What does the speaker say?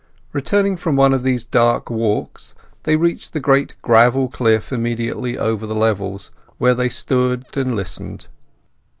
Returning from one of these dark walks they reached a great gravel cliff immediately over the levels, where they stood still and listened.